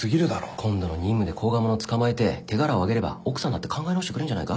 今度の任務で甲賀者捕まえて手柄を挙げれば奥さんだって考え直してくれんじゃないか？